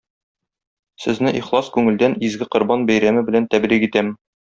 Сезне ихлас күңелдән изге Корбан бәйрәме белән тәбрик итәм!